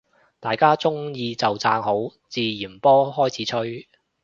大家鍾意就讚好，自然波開始吹